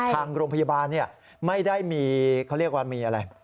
ทางโรงพยาบาลไม่ได้มีเขาเรียกว่ามีอะไร